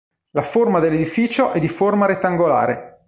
La forma dell'edificio è di forma rettangolare.